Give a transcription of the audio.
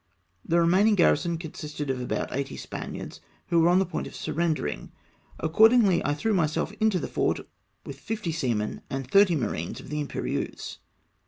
The remaining garrison consisted of about eighty Spaniards, who were on the point of surrendering; accordingly, I threw myself into the fort with fifty seamen and thirty marines of the Imperieuse.